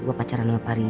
gue pacaran sama pak rizal